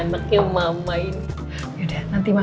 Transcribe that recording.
sampai jumpa di video selanjutnya